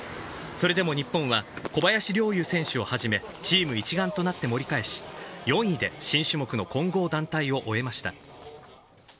それでも日本は小林陵侑選手をはじめ、チーム一丸となって盛り返し、４位で新種目の混合団体を終えました。